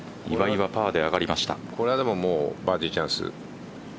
これはバーディーチャンス。